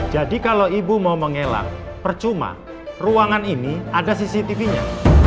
jadi kalau ibu mau mengelak percuma ruangan ini ada cctv nya